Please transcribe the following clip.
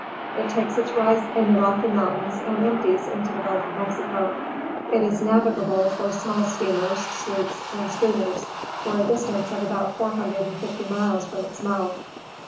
It takes its rise in the Rocky Mountains and empties into the Gulf of Mexico. It is navigable for small steamers, sloops and schooners, for a distance of about four hundred and fifty miles from its mouth.